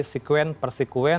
atau dari sekuen per sekuen